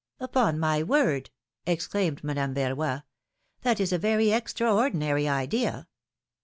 Upon my word !" exclaimed Madame Verroy; ^Hhat is a very extraordinary idea."